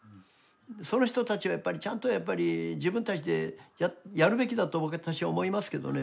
その人たちはちゃんとやっぱり自分たちでやるべきだと私は思いますけどね。